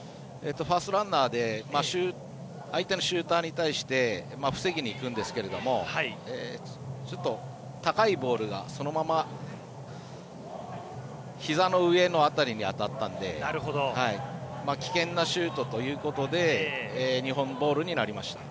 ファーストランナーで相手のシューターに対して防ぎにいくんですけどちょっと、高いボールがそのままひざの上の辺りに当たったので危険なシュートということで日本ボールになりました。